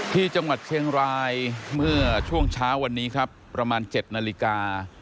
ที่จังหวัดเชียงรายเมื่อช่วงเช้าวันนี้ครับประมาณ๗นาฬิกา